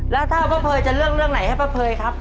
แล้วถ้าป้าเภยจะเลือกเรื่องไหนให้ป้าเภยครับ